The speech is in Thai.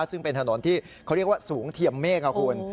ซึ่งเป็นถนนที่เขาเรียกว่าสูงเทียมเมฆค่ะคุณ